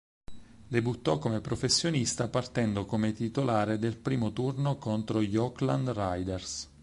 Debuttò come professionista partendo come titolare del primo turno contro gli Oakland Raiders.